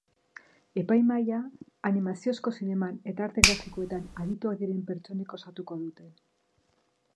Epaimahaia animaziozko zineman eta arte grafikoetan adituak diren pertsonek osatuko dute.